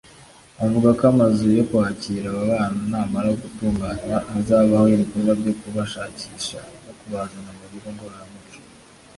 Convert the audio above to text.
Avuga ko amazu yo kwakira aba bana namara gutunganywa hazabaho ibikorwa byo kubashakisha no kubazana mu bigo ngororamuco